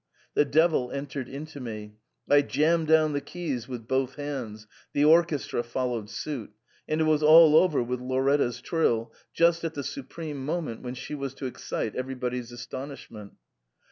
The devil entered into me ; I jammed down the keys with both hands; the orchestra followed suit; and it was all over with Lauretta's trill, just at the supreme moment when she was to excite everybody's astonish ment.